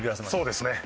そうですね。